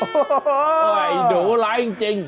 โอ้โฮไอ้เดี๋ยวร้ายจริง